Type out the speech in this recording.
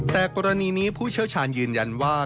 แต่กรณีนี้ผู้เชี่ยวชาญยืนยันว่า